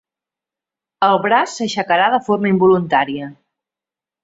El braç s"aixecarà de forma involuntària.